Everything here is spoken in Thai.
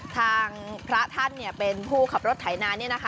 ทางพระท่านเนี่ยเป็นผู้ขับรถไถนาเนี่ยนะคะ